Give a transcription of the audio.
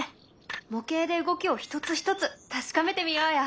模型で動きを一つ一つ確かめてみようよ。